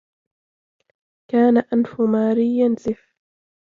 كان أنف ماري ينزف.